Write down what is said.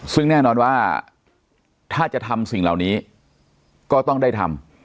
ซึ่งแน่นอนว่าถ้าจะทำสิ่งเหล่านี้ก็ต้องได้ทำ